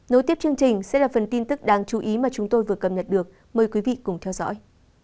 nối tiếp chương trình sẽ là phần tin tức đáng chú ý mà chúng tôi vừa cập nhật được mời quý vị cùng theo dõi